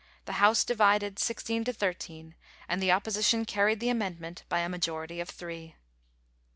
The House divided, sixteen to thirteen, and the Opposition carried the amendment by a majority of three.